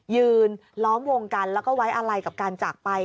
ยืนล้อมวงกันแล้วก็ไว้อะไรกับการจากไป